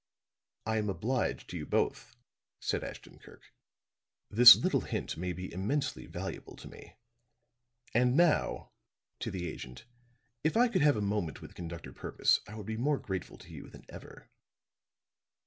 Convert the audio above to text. "I am obliged to you both," said Ashton Kirk. "This little hint may be immensely valuable to me. And now," to the agent, "if I could have a moment with Conductor Purvis, I would be more grateful to you than ever."